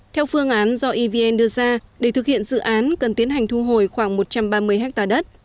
theo phương án do evn đưa ra để thực hiện dự án cần tiến hành thu hồi khoảng một trăm ba mươi ha đất